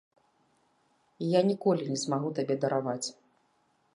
Я ніколі не змагу табе дараваць.